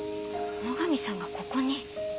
野上さんがここに？